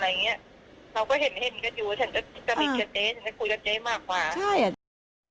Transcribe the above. เขาก็เห็นเห็นกันอยู่ฉันก็สนิทกับเจ๊ฉันจะคุยกับเจ๊มากกว่าใช่